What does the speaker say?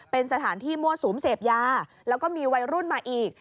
เป็นสถานที่มั่วสุมเสพยาแล้วก็มีวัยรุ่นมาอีก